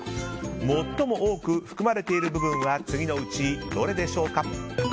最も多く含まれている部分は次のうちどれでしょうか。